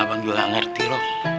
abang juga gak ngerti rob